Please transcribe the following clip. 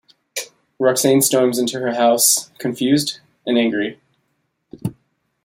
Roxane storms into her house, confused and angry.